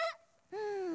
うん？